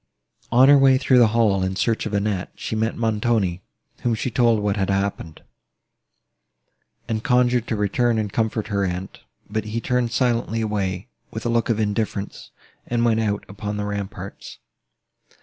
On her way through the hall, in search of Annette, she met Montoni, whom she told what had happened, and conjured to return and comfort her aunt; but he turned silently away, with a look of indifference, and went out upon the ramparts.